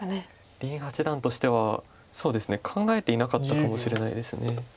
林八段としては考えていなかったかもしれないです。